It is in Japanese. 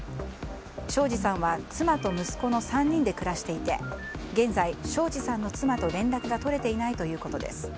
庄子さんは妻と息子の３人で暮らしていて現在、庄子さんの妻と連絡が取れていないということです。